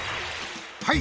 はい。